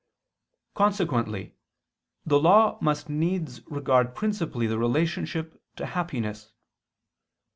Consequently the law must needs regard principally the relationship to happiness.